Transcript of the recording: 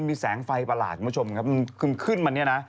มีแสงไฟประหลาดคุณผู้ชมครับมันคือขึ้นมาเนี่ยนะ